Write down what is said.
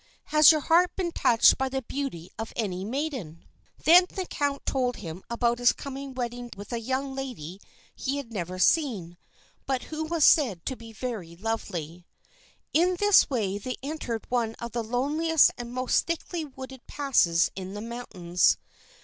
"Has your heart been touched by the beauty of any maiden?" [Illustration: ONCE HE THOUGHT HE SAW THEM] Then the count told him about his coming wedding with a young lady he had never seen, but who was said to be very lovely. In this way they entered one of the loneliest and most thickly wooded passes in the mountains.